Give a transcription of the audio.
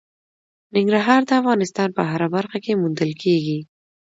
ننګرهار د افغانستان په هره برخه کې موندل کېږي.